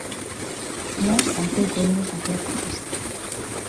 Nós tampouco imos facer isto.